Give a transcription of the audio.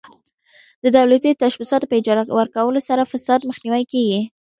د دولتي تشبثاتو په اجاره ورکولو سره فساد مخنیوی کیږي.